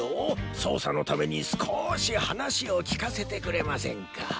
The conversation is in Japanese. そうさのためにすこしはなしをきかせてくれませんか？